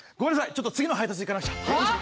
ちょっと次の配達行かなくちゃ。